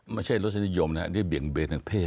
ไม่ใช่รสินิยมนะครับนี่เปลี่ยงเบนทางเพศ